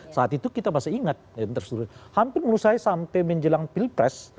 saat itu kita masih ingat hampir menurut saya sampai menjelang pilpres